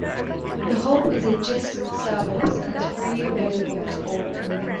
The Hub is a Jisc service, and is freely available to all.